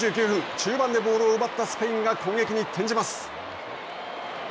中盤でボールを奪ったスペインがスペインが攻撃に転じます。